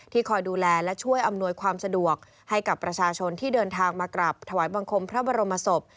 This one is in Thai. คอยดูแลและช่วยอำนวยความสะดวกให้กับประชาชนที่เดินทางมากราบถวายบังคมพระบรมศพ